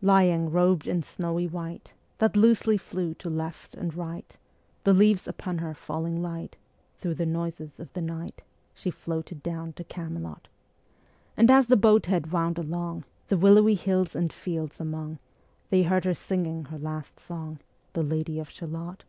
Lying, robed in snowy white That loosely flew to left and right The leaves upon her falling light Thro' the noises of the night Ā Ā She floated down to Camelot: And as the boat head wound along The willowy hills and fields among, They heard her singing her last song, Ā Ā The Lady of Shalott.